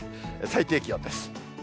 最低気温です。